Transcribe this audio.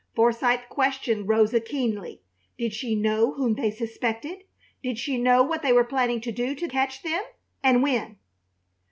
Forsythe questioned Rosa keenly. Did she know whom they suspected? Did she know what they were planning to do to catch them, and when?